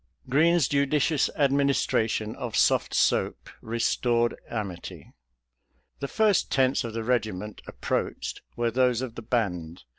Green's judicious administration of soft soap restored amity. The first tents of the regiment approached were those of the band.